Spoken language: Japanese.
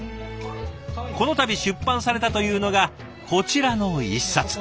この度出版されたというのがこちらの一冊。